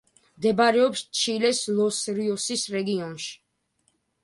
მდებარეობს ჩილეს ლოს-რიოსის რეგიონში.